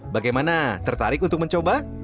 bagaimana tertarik untuk mencoba